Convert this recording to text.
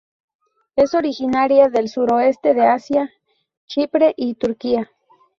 Es originaria del suroeste de Asia, Chipre y Turquía.